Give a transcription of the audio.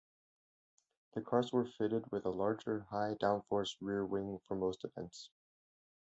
The cars were fitted with a larger, high downforce rear wing for most events.